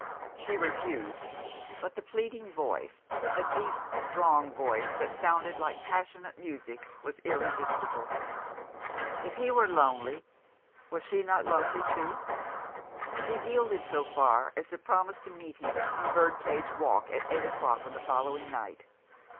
She refused, but the pleading voice — a deep, strong voice that sounded like passionate music — was irresistible. If he were lonely, was she not lonely too ? She yielded so far as to promise to meet him in Birdcage Walk at eight o'clock on the following night.